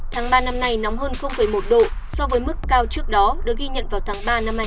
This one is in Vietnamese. tháng ba năm nay nóng hơn một độ so với mức cao trước đó được ghi nhận vào tháng ba năm hai nghìn hai mươi